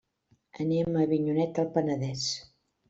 Anem a Avinyonet del Penedès.